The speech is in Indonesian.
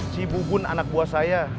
si bugun anak buah saya